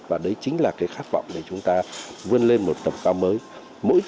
và đấy chính là cái khát vọng để chúng ta vươn lên một tầm cao mới